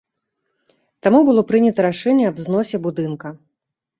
Таму было прынята рашэнне аб зносе будынка.